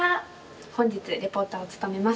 本日リポーターを務めます